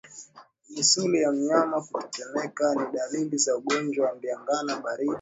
Misuli ya mnyama kutetemeka ni dalili za ugonjwa wa ndigana baridi